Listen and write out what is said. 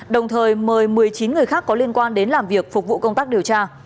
đồng thời mời một mươi chín người khác có liên quan đến làm việc phục vụ công tác điều tra